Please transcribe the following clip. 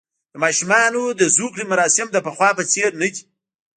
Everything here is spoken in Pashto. د ماشومانو د زوکړې مراسم د پخوا په څېر نه دي.